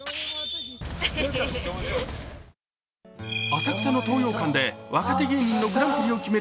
浅草の東洋館で若手芸人のグランプリを決める